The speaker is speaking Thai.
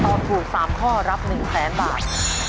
ตอบถูก๓ข้อรับ๑แสนบาท